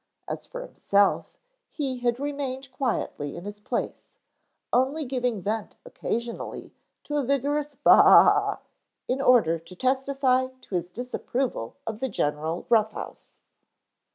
As for himself, he had remained quietly in his place, only giving vent occasionally to a vigorous "baa" in order to testify to his disapproval of the general rough house.